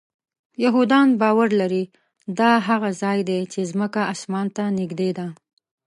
یهودان باور لري دا هغه ځای دی چې ځمکه آسمان ته نږدې ده.